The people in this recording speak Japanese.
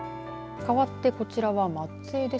かわって、こちらは松江です。